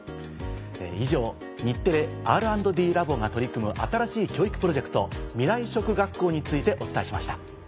以上日テレＲ＆Ｄラボが取り組む新しい教育プロジェクト「未来職学校」についてお伝えしました。